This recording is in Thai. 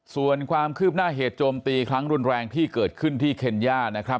ส่วนความคืบหน้าเหตุโจมตีครั้งรุนแรงที่เกิดขึ้นที่เคนย่านะครับ